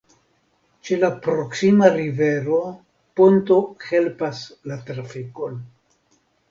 Ĉe la proksima rivero ponto helpas la trafikon.